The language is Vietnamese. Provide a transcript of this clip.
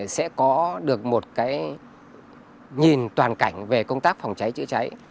sẽ có được một cái nhìn toàn cảnh về công tác phòng cháy chữa cháy